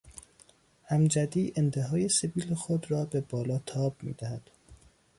امجدی انتهای سبیل خود را به بالا تاب میدهد.